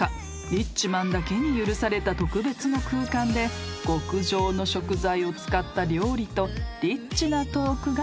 リッチマンだけに許された特別の空間で極上の食材を使った料理とリッチなトークが飛び交う］